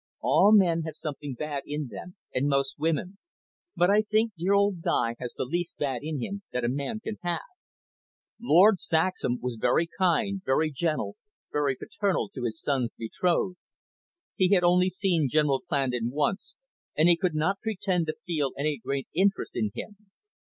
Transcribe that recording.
"All men have something bad in them, and most women. But I think dear old Guy has the least bad in him that a man can have." Lord Saxham was very kind, very gentle, very paternal to his son's betrothed. He had only seen General Clandon once, and he could not pretend to feel any great interest in him.